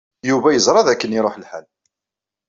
Yuba yeẓra dakken iṛuḥ lḥal.